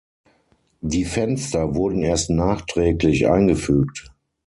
Die Fenster wurden erst nachträglich eingefügt.